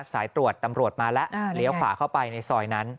สายตรวจตำรวจมาแล้วเลี้ยวขวาเข้าไปในซอยนั้น